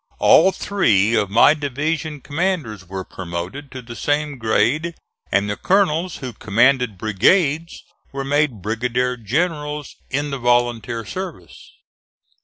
All three of my division commanders were promoted to the same grade and the colonels who commanded brigades were made brigadier generals in the volunteer service.